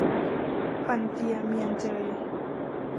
บันเตียเมียนเจย